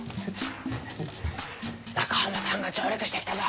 中浜さんが上陸して来たぞ！